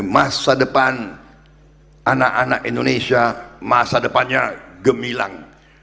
masa depan anak anak indonesia masa depannya gemilang